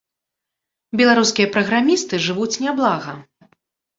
Беларускія праграмісты жывуць няблага.